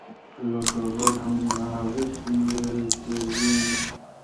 لکه غر، هغسي یې کربوڼی